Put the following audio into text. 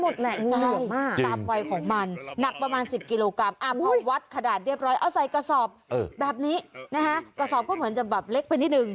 ตัวมันก็กินได้มันหมดแหละ